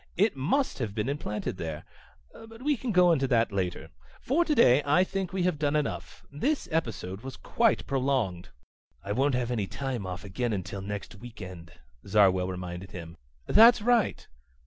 It must have been implanted there. But we can go into that later. For today I think we have done enough. This episode was quite prolonged." "I won't have any time off again until next week end," Zarwell reminded him. "That's right."